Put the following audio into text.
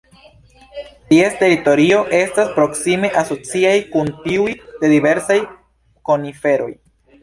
Ties teritorioj estas proksime asociaj kun tiuj de diversaj koniferoj.